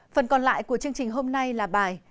phần còn lại của chương trình hôm nay là bài